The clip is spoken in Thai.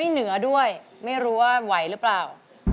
เหนือด้วยไม่รู้ว่าไหวหรือเปล่า